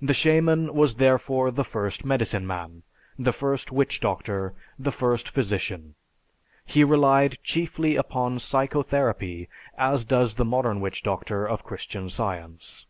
The "shaman" was therefore the first medicine man, the first witch doctor, the first physician. He relied chiefly upon psychotherapy as does the modern witch doctor of Christian Science.